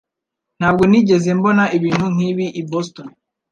Ntabwo nigeze mbona ibintu nkibi i Boston